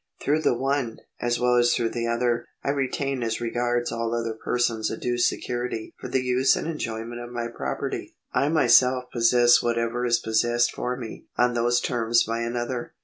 Through the one, as well as through the other, I retain as regards all other persons a due security for the use and enjoyment of my property, I myself possess whatever is possessed for me on those terms by another.